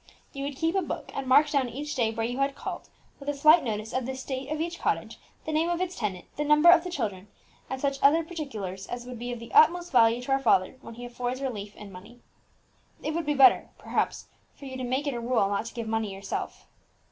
"You would keep a book, and mark down each day where you had called, with a slight notice of the state of each cottage, the name of its tenant, the number of the children, and such other particulars as would be of the utmost value to our father when he affords relief in money. It would be better, perhaps, for you to make it a rule not to give money yourself."